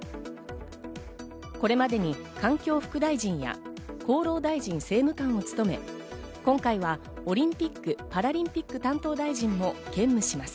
これまでに環境副大臣や厚労大臣政務官を務め、今回はオリンピック・パラリンピック担当大臣も兼務します。